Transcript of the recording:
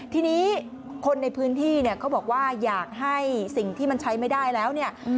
ทีนี้คนในพื้นที่เนี่ยเขาบอกว่าอยากให้สิ่งที่มันใช้ไม่ได้แล้วเนี่ย